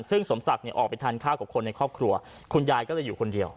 ซึ่งสมศักดิ์เนี่ยออกไปทานข้าวกับคนในครอบครัวคุณยายก็เลยอยู่คนเดียว